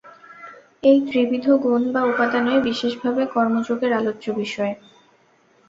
এই ত্রিবিধ গুণ বা উপাদানই বিশেষভাবে কর্মযোগের আলোচ্য বিষয়।